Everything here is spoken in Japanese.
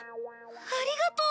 ありがとう！